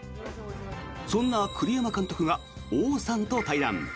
そんな栗山監督が王さんと対談。